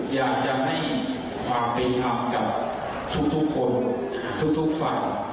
ที่ผมกล้ามใจก็คืออยากจะให้ความเป็นความกับทุกคนทุกฝั่ง